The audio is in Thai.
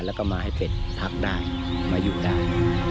แล้วก็มาให้เสร็จพักหน้ามาหยุดด้าน